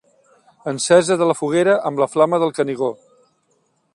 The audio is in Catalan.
Encesa de la foguera amb la flama del Canigó.